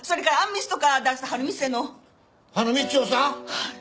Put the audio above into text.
はい。